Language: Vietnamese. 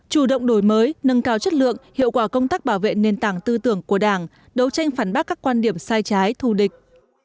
chủ động đổi mới nâng cao chất lượng hiệu quả công tác bảo vệ nền tảng tư tưởng của đảng đấu tranh phản bác các quan điểm sai trái thù địch